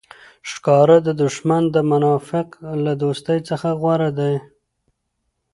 ښکاره دوښمن د منافق له دوستۍ څخه غوره دئ!